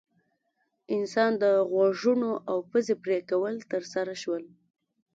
انسان د غوږونو او پزې پرې کول ترسره شول.